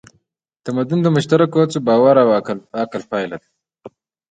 تمدن د مشترکو هڅو، باور او عقل پایله ده.